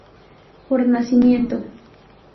Por nacimiento